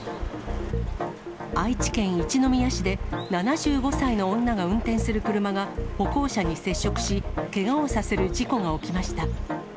愛知県一宮市で７５歳の女が運転する車が歩行者に接触し、けがをさせる事故が起きました。